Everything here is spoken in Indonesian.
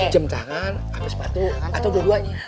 jem tangan habis patuh atau dua duanya